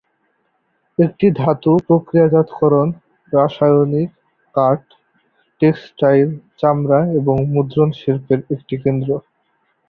এটি ধাতু-প্রক্রিয়াজাতকরণ, রাসায়নিক, কাঠ, টেক্সটাইল, চামড়া এবং মুদ্রণ শিল্পের একটি কেন্দ্র।